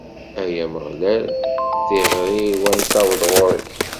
Ay Ameɣlal, tiɣri-w a n-taweḍ ɣur-k!